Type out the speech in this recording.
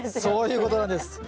そういうことなんです。